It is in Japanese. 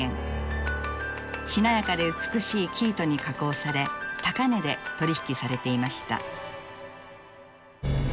しなやかで美しい生糸に加工され高値で取り引きされていました。